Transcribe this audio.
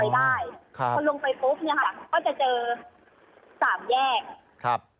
ได้ครับพอลงไปปุ๊บเนี่ยค่ะก็จะเจอสามแยกครับ